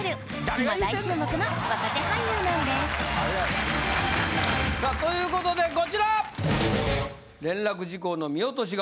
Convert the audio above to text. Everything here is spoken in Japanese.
今大注目の若手俳優なんですさあということでこちら！